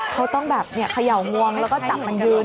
เขาต้องแบบเขย่างวงแล้วก็จับมันยืน